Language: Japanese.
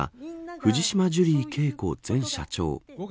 藤島ジュリー景子前社長。